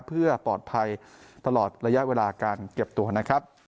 เพื่อปลอดภัยตลอดระยะเวลาการเก็บตัวนะครับ